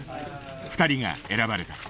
２人が選ばれた。